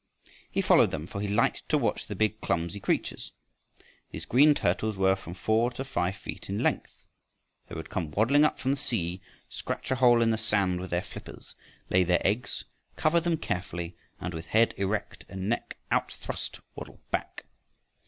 He followed them, for he liked to watch the big clumsy creatures. These green turtles were from four to five feet in length. They would come waddling up from the sea, scratch a hole in the sand with their flippers, lay their eggs, cover them carefully, and with head erect and neck out thrust waddle back.